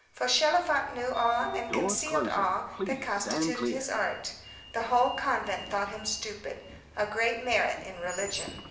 Fauchelevent knew all and concealed all; that constituted his art. The whole convent thought him stupid. A great merit in religion.